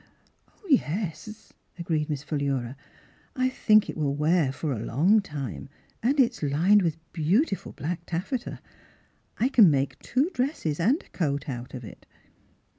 " Yes," agreed Miss Philura, " I thinrk it will wear for a long time, and it is lined with beautiful black taffeta. I can make two dresses and a coat out of it."